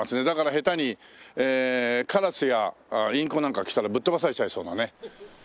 だから下手にカラスやインコなんか来たらぶっ飛ばされちゃいそうなね。